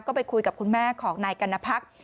ก็ไปคุยกับคุณแม่ของนายกัณภักษ์